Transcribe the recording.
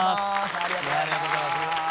ありがとうございます。